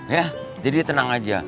ya jadi tenang aja